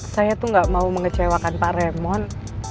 saya tuh gak mau mengecewakan pak remon